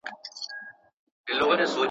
آیا ته پوهېږې چي د علق سورت څه مانا لري؟